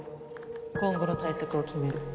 今後の対策を決める。